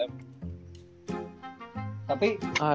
tapi bener lu pada world nggak tuh satu m